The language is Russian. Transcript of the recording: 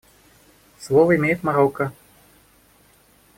Слово имеет Марокко.